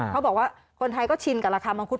เขาบอกว่าคนไทยก็ชินกับราคามังคุด